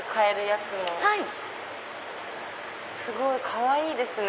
すごいかわいいですね